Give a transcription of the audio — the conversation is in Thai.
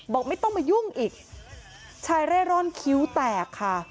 บอกไม่ต้องมายุ่งอีกชายเร่ร่อนคิ้วแตกค่ะ